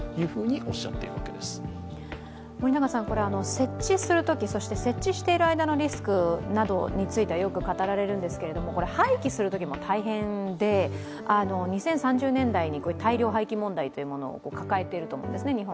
設置するとき、そして設置している間のリスクについてはよく語られるんですが、廃棄するときも大変で、２０３０年代に大量廃棄問題というものを抱えていると思うんですね、日本。